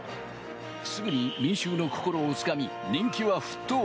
すぐに民衆の心を掴み、人気は沸騰。